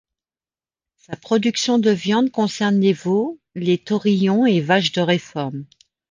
Sa production de viande concerne les veaux, les taurillons et vaches de réforme.